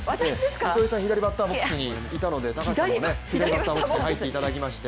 糸井さん、左バッターボックスにいたので、高橋さんも左バッターボックスに入っていただいて。